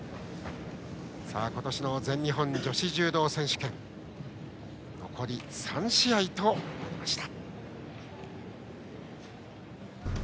今年の全日本女子柔道選手権は残り３試合となりました。